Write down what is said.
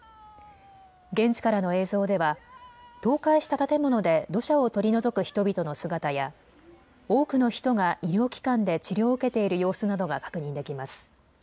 現地からの映像では倒壊した建物で土砂を取り除く人々の姿や多くの人が医療機関で治療を受けている様子などが確認できます。